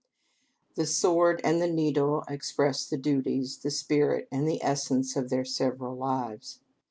The sword and the needle expressed the duties, the spirit, and the essence of their several lives.